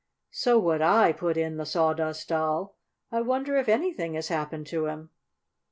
"So would I," put in the Sawdust Doll. "I wonder if anything has happened to him."